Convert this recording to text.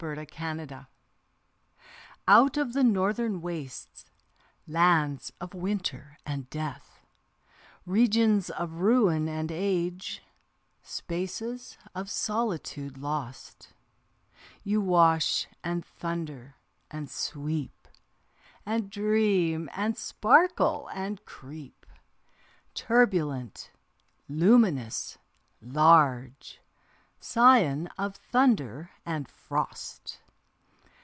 To the Ottawa Out of the northern wastes, lands of winter and death, Regions of ruin and age, spaces of solitude lost; You wash and thunder and sweep, And dream and sparkle and creep, Turbulent, luminous, large, Scion of thunder and frost.